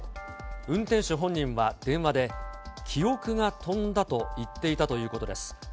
運転手本人は電話で、記憶が飛んだと言っていたということです。